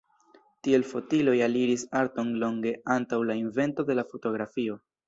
Tiel fotiloj aliris arton longe antaŭ la invento de la fotografio.